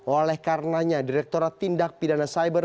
oleh karenanya direkturat tindak pidana cyber